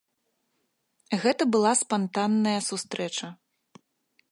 Гэта была спантанная сустрэча.